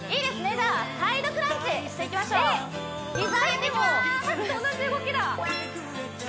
じゃあサイドクランチしていきましょう膝上げていきます